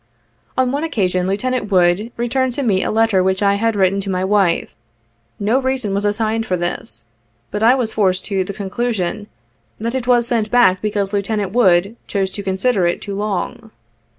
On one occasion Lieut. Wood returned to me a letter which I had written to my wife. No reason was assigned for this ; but I was forced to the conclusion that it was sent back because Lieut. Wood chose to consider it too long.